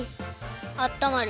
あったまる。